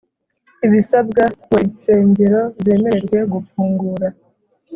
ibisabwa ngo insengero zemererwe gufungura.